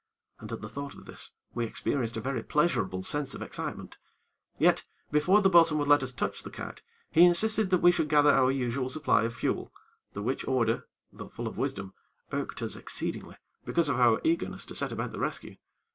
And, at the thought of this, we experienced a very pleasurable sense of excitement; yet, before the bo'sun would let us touch the kite, he insisted that we should gather our usual supply of fuel, the which order, though full of wisdom, irked us exceedingly, because of our eagerness to set about the rescue.